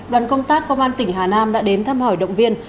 đoàn công tác công an tỉnh hà nam đã đến thăm hỏi động viên